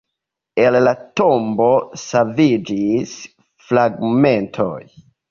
El la Tombo saviĝis fragmentoj.